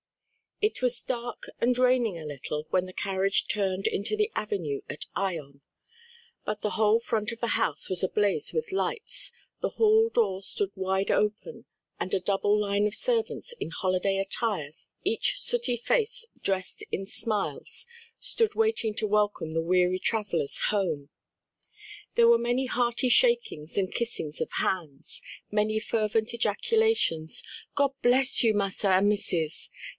It was dark and raining a little when the carriage turned into the avenue at Ion; but the whole front of the house was ablaze with lights, the hall door stood wide open, and a double line of servants in holiday attire, each sooty face dressed in smiles, stood waiting to welcome the weary travelers home. There were many hearty shakings and kissings of hands; many fervent ejaculations: "God bless you, Massa and Missus!"